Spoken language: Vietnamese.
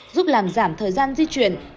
giúp làm giảm thời gian di chuyển